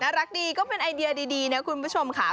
รักดีก็เป็นไอเดียดีนะคุณผู้ชมค่ะ